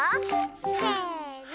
せの！